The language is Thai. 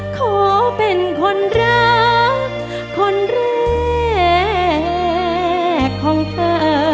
ขอเป็นคนรักคนแรกของเธอ